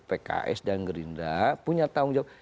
pks dan gerindra punya tanggung jawab